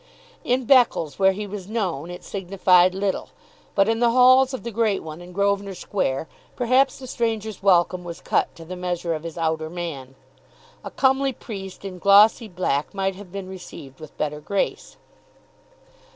In Beccles where he was known it signified little, but in the halls of the great one in Grosvenor Square, perhaps the stranger's welcome was cut to the measure of his outer man. A comely priest in glossy black might have been received with better grace.